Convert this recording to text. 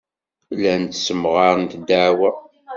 Llant ssemɣarent ddeɛwa.